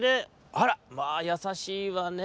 「あらっまあやさしいわねぇ。